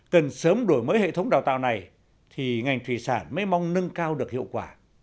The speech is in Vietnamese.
cần sớm đổi mới hệ thống đào tạo này thì ngành thủy sản mới mong nâng cao được hiệu quả